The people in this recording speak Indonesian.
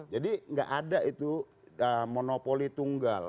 jadi gak ada itu monopoli tunggal